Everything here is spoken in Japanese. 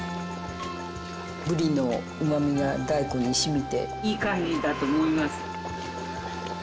ブリのうまみが大根に染みていい感じだと思います。